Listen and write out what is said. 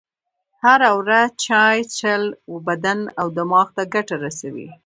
هره ورځ چایی چیښل و بدن او دماغ ته ګټه رسوي.